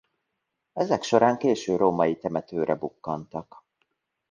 Ezek során késő római temetőre bukkantak.